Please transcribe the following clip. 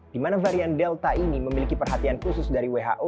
di mana varian delta ini memiliki perhatian khusus dari who